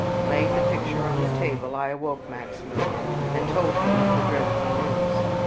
Laying the picture on the table, I awoke Maximilian, and told him of the dreadful news.